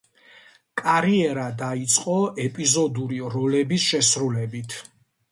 კარიერა დაიწყო ეპიზოდური როლების შესრულებით.